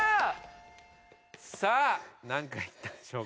さあ何回いったでしょうか？